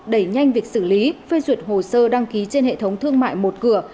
đẩy nhanh việc xử lý phê duyệt hồ sơ đăng ký trên hệ thống thương mại một cửa